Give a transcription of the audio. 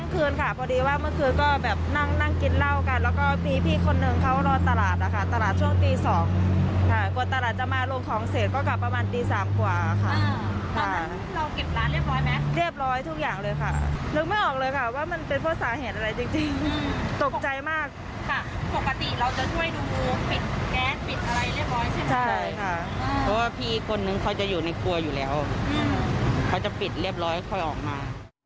คือว่าพี่อีกคนนึงเขาจะอยู่ในครัวอยู่แล้วเขาจะปิดเรียบร้อยให้ค่อยออกมา